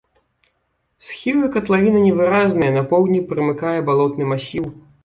Схілы катлавіны невыразныя, на поўдні прымыкае балотны масіў.